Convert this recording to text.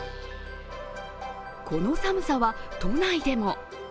この寒さは都内でも。